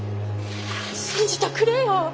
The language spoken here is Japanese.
信じとくれよ。